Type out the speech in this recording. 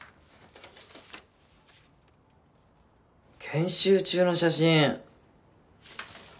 研修中の写真！